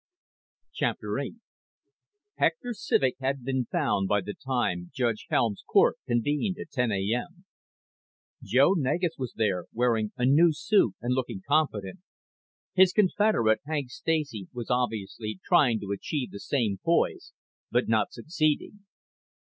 VIII Hector Civek hadn't been found by the time Judge Helms' court convened at 10:00 A.M. Joe Negus was there, wearing a new suit and looking confident. His confederate, Hank Stacy, was obviously trying to achieve the same poise but not succeeding.